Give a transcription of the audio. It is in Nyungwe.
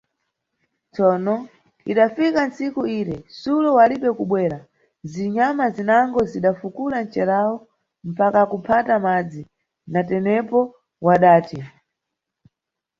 Tsono, idafika tsiku lire, Sulo walibe kubwera, zinyama zinango zida fukula ncerawo mpaka kuphata madzi, natepo wadati.